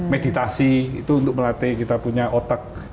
meditasi itu untuk melatih kita punya otak